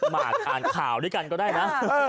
มาอ่านข่าวด้วยกันก็ได้นะ